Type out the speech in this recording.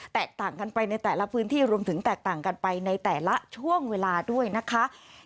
แตกต่างกันไปในแต่ละพื้นที่รวมถึงแตกต่างกันไปในแต่ละช่วงเวลาด้วยนะคะ